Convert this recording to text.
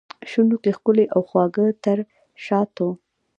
شونډو کې ښکلي او خواږه تر شاتو